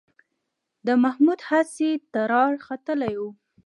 د محمود هسې ټرار ختلی و